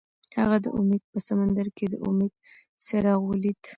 هغه د امید په سمندر کې د امید څراغ ولید.